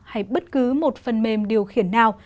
hay bất cứ một phần mềm điều khiển nào